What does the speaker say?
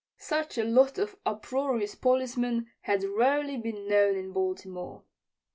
Such a lot of uproarious policemen had rarely been known in Baltimore.